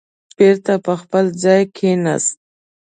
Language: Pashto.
بېرته په خپل ځای کېناست.